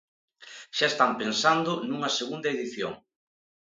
Xa están pensando nunha segunda edición.